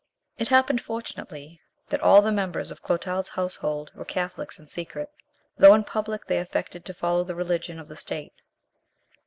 It happened fortunately that all the members of Clotald's household were catholics in secret, though in public they affected to follow the religion of the state.